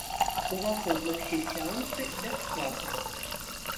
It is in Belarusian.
Уваход на ўсе сеансы бясплатны.